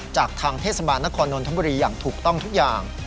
จากทางเทศบาลนครนนทบุรีอย่างถูกต้องทุกอย่าง